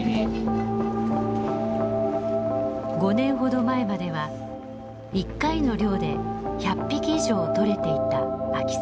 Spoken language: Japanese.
５年ほど前までは一回の漁で１００匹以上とれていた秋サケ。